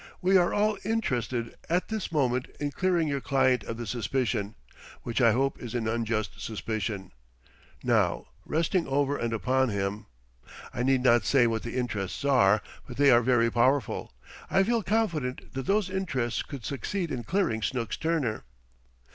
We are all interested at this moment in clearing your client of the suspicion which I hope is an unjust suspicion now resting over and upon him. I need not say what the interests are, but they are very powerful. I feel confident that those interests could succeed in clearing Snooks Turner."